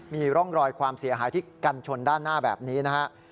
มีร่องรอยความเสียหายที่กันชนด้านหน้าแบบนี้นะฮะ